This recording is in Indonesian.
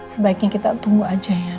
sebaiknya kita tunggu aja ya